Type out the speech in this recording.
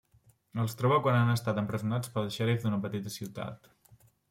Els troba quan han estat empresonats pel xèrif d'una petita ciutat.